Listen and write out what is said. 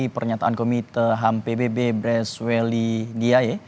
pernyataan komite ham pbb bresweli diaye